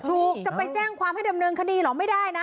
จะไปแจ้งความให้ดำเนินคดีเหรอไม่ได้นะ